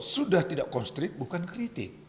sudah tidak konstrik bukan kritik